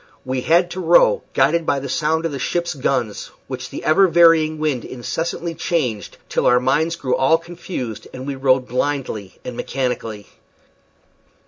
We had to row, guided by the sound of the ship's gun, which the ever varying wind incessantly changed, till our minds grew all confused, and we rowed blindly and mechanically.